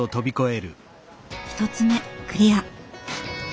１つ目クリア。